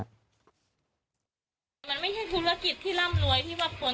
มันไม่ใช่ธุรกิจที่ร่ำรวยที่บางคนจะต้องมาอิจฉาแล้วเราก็ทำมาก่อน